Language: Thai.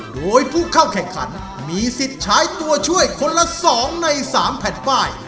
โดยผู้เข้าแข่งขันมีสิทธิ์ใช้ตัวช่วยคนละ๒ใน๓แผ่นป้าย